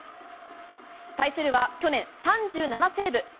対するは去年３７セーブ